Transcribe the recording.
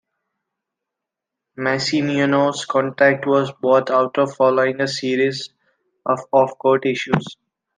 Massimino's contract was bought out following a series of off-court issues.